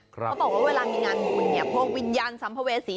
เขาบอกว่าเวลามีงานบุญเนี่ยพวกวิญญาณสัมภเวษี